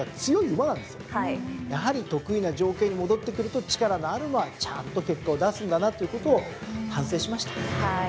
やはり得意な条件に戻ってくると力のある馬はちゃんと結果を出すんだなということを反省しました。